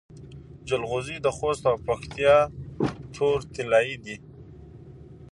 جلغوزي د خوست او پکتیا تور طلایی دي